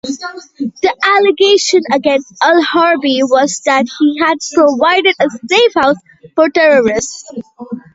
The allegation against Al-Harbi was that he had provided a safehouse for terrorists.